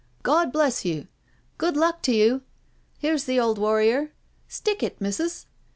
*• God bless you." " Good luck to you." " Here's the old warrior." " Stick it Missus."